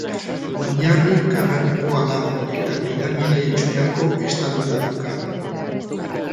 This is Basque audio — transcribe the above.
Oinarri karratukoa da eta piramide itxurako estaldura dauka.